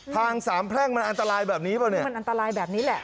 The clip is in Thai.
ทางสามแพร่งมันอันตรายแบบนี้ป่ะเนี่ยมันอันตรายแบบนี้แหละ